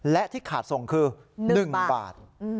และที่ขาดส่งคือ๑บาท